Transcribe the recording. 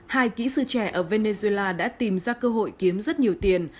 hai kỹ sư trẻ ở venezuela đã tìm ra cơ hội kiếm rất nhiều tiền